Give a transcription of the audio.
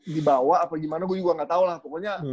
dibawa apa gimana gue juga gak tau lah pokoknya